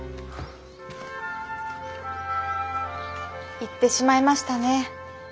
行ってしまいましたね。